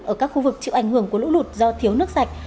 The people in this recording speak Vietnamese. ở các khu vực chịu ảnh hưởng của lũ lụt do thiếu nước sạch